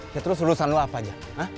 ya terus urusan lo apa aja